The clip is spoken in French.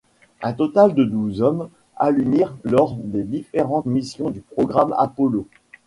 Un total de douze hommes alunirent lors des différentes missions du programme Apollo.